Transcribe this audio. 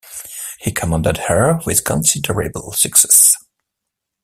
He commanded her with considerable success.